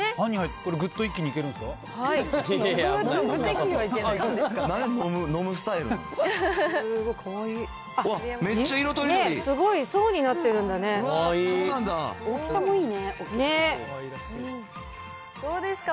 これ、ぐっと一気にいけるんですか？